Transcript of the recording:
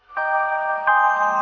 acing kos di rumah aku